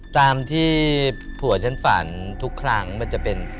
ตามที่ผัวฉันฝันทุกครั้งมันจะเป็น